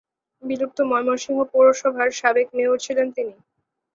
বিলুপ্ত ময়মনসিংহ পৌরসভার সাবেক মেয়র ছিলেন তিনি।